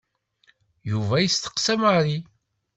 Yuba yesteqsa Mary.